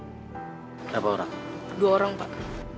berapa orang dua orang pak